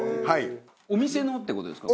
お店のって事ですか？